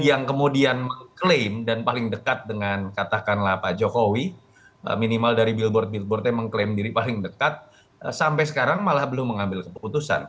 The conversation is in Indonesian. yang kemudian mengklaim dan paling dekat dengan katakanlah pak jokowi minimal dari billboard billboardnya mengklaim diri paling dekat sampai sekarang malah belum mengambil keputusan